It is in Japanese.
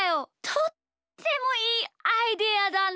とってもいいアイデアだね！